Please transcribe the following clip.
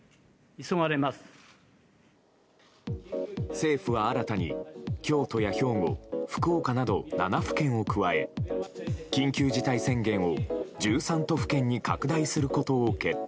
政府は新たに京都や兵庫、福岡など７府県を加え、緊急事態宣言を１３都府県に拡大することを決定。